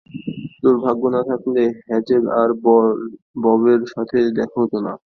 দুর্ভাগ্য না থাকলে, হ্যাজেল আর ববের সাথে আমার দেখা হতো না।